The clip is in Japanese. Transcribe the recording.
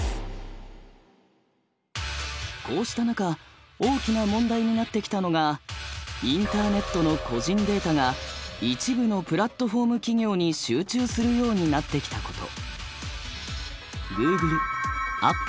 こうした中大きな問題になってきたのがインターネットの個人データが一部のプラットフォーム企業に集中するようになってきたこと。